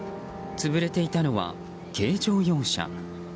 潰れていたのは軽乗用車。